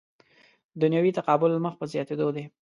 دنیوي تقابل مخ په زیاتېدو وي.